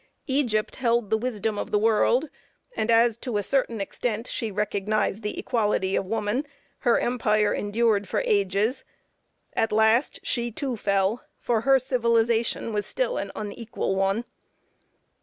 Egypt held the wisdom of the world, and as to a certain extent she recognized the equality of woman, her empire endured for ages; at last, she too fell, for her civilization was still an unequal one.